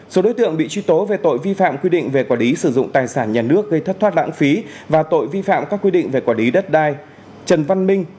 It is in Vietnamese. số đối tượng bị truy tố về tội vi phạm quy định về quả lý sử dụng tài sản nhà nước gây thất thoát lãng phí và tội vi phạm các quy định về quả lý đất đai